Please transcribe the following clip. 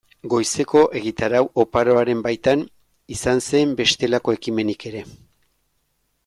Goizeko egitarau oparoaren baitan, izan zen bestelako ekimenik ere.